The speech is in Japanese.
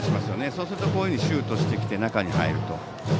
そうすると、シュートして中に入ると。